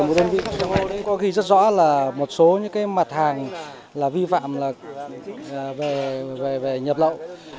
một đơn vị có ghi rất rõ là một số mặt hàng vi phạm về nhập lậu